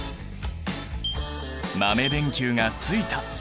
豆電球がついた。